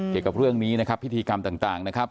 เกี่ยวกับเรื่องนี้นะครับพิธีกรรมต่างนะครับ